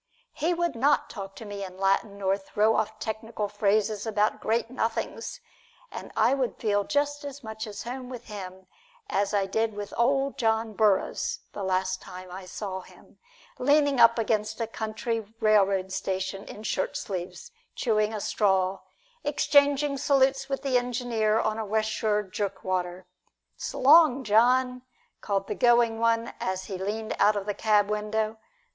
He would not talk to me in Latin nor throw off technical phrases about great nothings, and I would feel just as much at home with him as I did with Ol' John Burroughs the last time I saw him, leaning up against a country railroad station in shirt sleeves, chewing a straw, exchanging salutes with the engineer on a West Shore jerkwater. "S' long, John!" called the going one as he leaned out of the cab window.